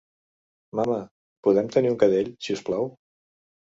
Mama, podem tenir un cadell, si us plau?